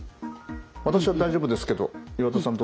私は大丈夫ですけど岩田さん